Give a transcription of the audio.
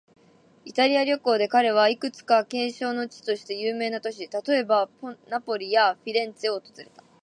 イタリア旅行で彼は、いくつか景勝の地として有名な都市、例えば、ナポリやフィレンツェを訪れた。